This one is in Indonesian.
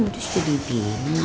jauh jadi bingung deh